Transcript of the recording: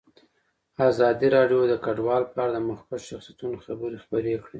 ازادي راډیو د کډوال په اړه د مخکښو شخصیتونو خبرې خپرې کړي.